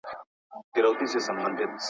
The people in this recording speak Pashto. نو بلي خوا ته يې و ښځه ته د زرګونو کلونو